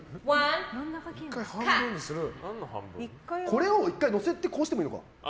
これを１回こうしてもいいのか。